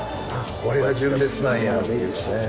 これが「純烈」なんやっていうね